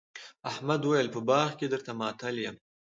احمد وويل: په باغ کې درته ماتل یم.